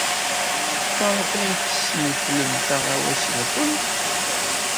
Maɣef ay tesneflemt aɣawas-nwent?